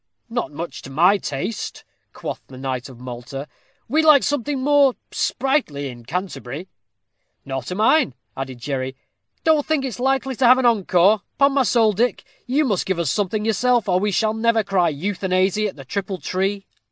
"Not much to my taste," quoth the knight of Malta. "We like something more sprightly in Canterbury." "Nor to mine," added Jerry; "don't think it's likely to have an encore. 'Pon my soul, Dick, you must give us something yourself, or we shall never cry Euthanasy at the Triple Tree."